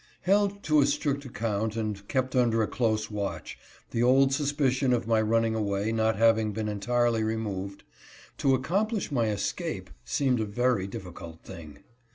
Held to a strict account, and kept under a close watch, — the old suspicion of my running away not having been entirely removed, — to accomplish my escape seemed a very difficult thing.